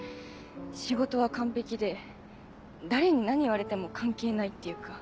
仕事は完璧で誰に何言われても関係ないっていうか。